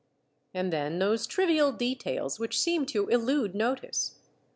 And then those trivial details which seem to elude notice